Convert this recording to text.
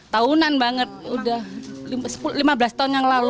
tahunan banget udah lima belas tahun yang lalu